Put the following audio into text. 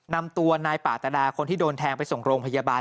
นำตัวนายปาตดาคนที่โดนแทงไปส่งโรงพยาบาล